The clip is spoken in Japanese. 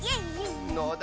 のだ